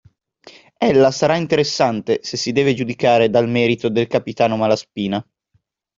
Ella sarà interessante, se si deve giudicare dal merito del Capitano Malaspina.